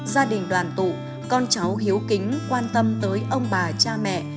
gia đình đoàn tụ con cháu hiếu kính quan tâm tới ông bà cha mẹ